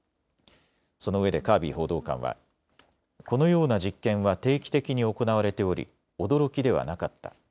そのうえでカービー報道官はこのような実験は定期的に行われており驚きではなかった。